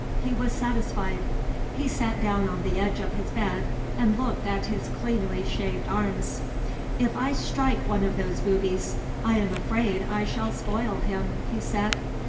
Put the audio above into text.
He was satisfied. He sat down on the edge of his bed and looked at his cleanly shaped arms. "If I strike one of those boobies, I am afraid I shall spoil him," he said.